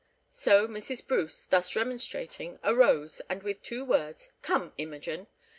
So Mrs. Bruce, thus remonstrating, arose, and with two words, "Come, Imogen!"